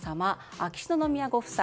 秋篠宮ご夫妻